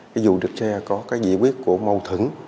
ví dụ được xe có cái dị quyết của mâu thửng